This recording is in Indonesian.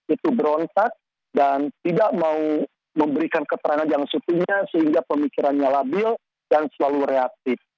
itu berontak dan tidak mau memberikan keterangan yang supinya sehingga pemikirannya labil dan selalu reaktif